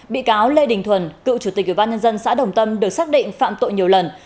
bị cáo lê đình thuần cựu chủ tịch ủy ban nhân dân xã đồng tâm được xác định phạm tội nhiều lần